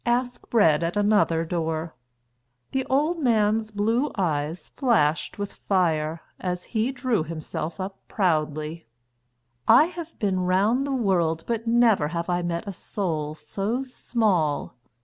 Ask bread at another door." The old man's blue eyes flashed with fire as he drew himself up proudly. "I have been round the world but never have I met a soul so small.